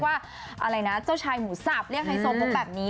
เขาเรียกว่าเจ้าชายหมูสับเรียกไฮโซมพวกแบบนี้